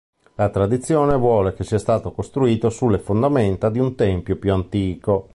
La tradizione vuole che sia stato costruito sulle fondamenta di un tempio più antico.